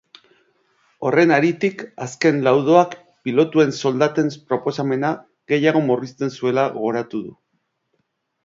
Horren haritik, azken laudoak pilotuen soldaten proposamena gehiago murrizten zuela gogoratu du.